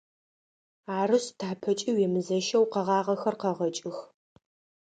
Арышъ, тапэкӏи уемызэщэу къэгъагъэхэр къэгъэкӏых.